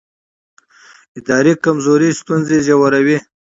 اداري کمزوري ستونزې ژوروي